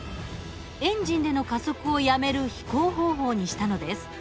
エンジンでの加速をやめる飛行方法にしたのです。